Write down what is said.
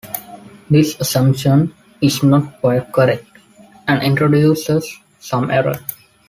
This assumption is not quite correct, and introduces some error.